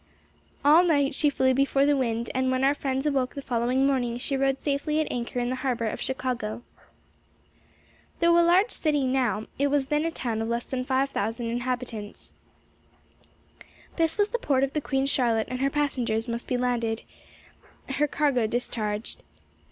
All night she flew before the wind and when our friends awoke the following morning she rode safely at anchor in the harbor of Chicago. Though a large city now, it was then a town of less than five thousand inhabitants. This was the port of the Queen Charlotte and her passengers must be landed, her cargo discharged.